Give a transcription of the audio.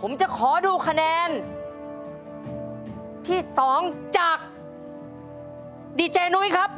ผมจะขอดูคะแนนที่๒จากดีเจนุ้ยครับ